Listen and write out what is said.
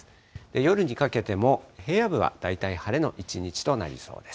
夜にかけても平野部は大体晴れの一日となりそうです。